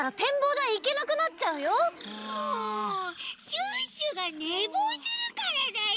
シュッシュがねぼうするからだよ！